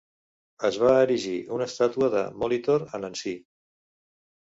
Es va erigir una estàtua de Molitor a Nancy.